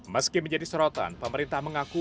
meski menjadi sorotan pemerintah mengaku